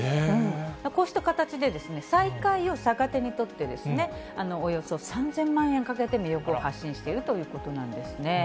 こうした形で、最下位を逆手にとって、およそ３０００万円かけて、魅力を発信しているということなんですね。